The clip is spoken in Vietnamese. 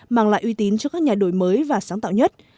mang lại uy tín cho các nhà đổi môi trường